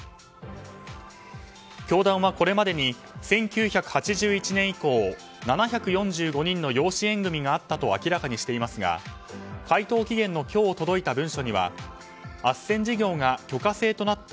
教団はこれまでに１９８１年以降７４５人の養子縁組があったと明らかにしていますが回答期限の今日届いた文書にはあっせん事業が許可制となった